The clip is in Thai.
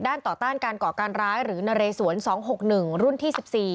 ต่อต้านการก่อการร้ายหรือนเรสวน๒๖๑รุ่นที่๑๔